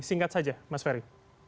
singkat saja mas wary